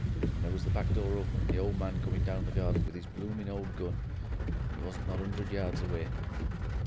and there was the back door open and the old man coming down the garden with 'is blooming old gun. He wasn't not a 'undred yards away!